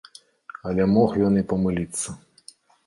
Але мог ён і памыліцца.